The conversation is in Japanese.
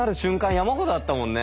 山ほどあったもんね。